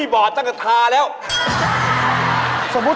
บอดจังกันตาแล้วใช่